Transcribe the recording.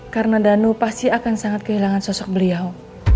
karena danu pasti akan sangat kehilangan sosok beliau